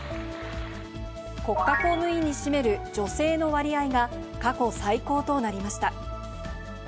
国家公務員に占める女性の割合が、過去最高となりました。